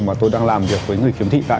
mà tôi đang làm việc với người khiếm thị